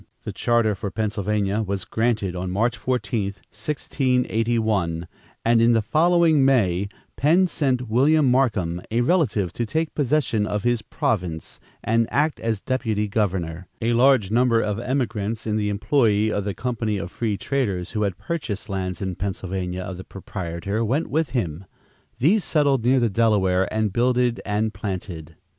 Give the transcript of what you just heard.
The charter for Pennsylvania was granted on March 14, 1681, and in the following May, Penn sent William Markham, a relative, to take possession of his province and act as deputy governor. A large number of emigrants in the employ of the "company of free traders" who had purchased lands in Pennsylvania of the proprietor, went with him. These settled near the Delaware and "builded and planted."